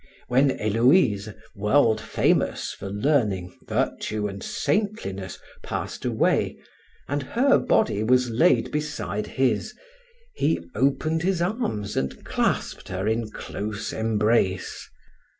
When Héloïse, world famous for learning, virtue, and saintliness, passed away, and her body was laid beside his, he opened his arms and clasped her in close embrace.